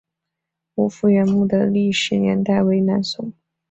吴福源墓的历史年代为南宋。